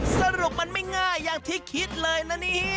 สรุปมันไม่ง่ายอย่างที่คิดเลยนะเนี่ย